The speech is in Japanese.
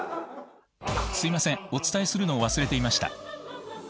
すいませんお伝えするのを忘れていました。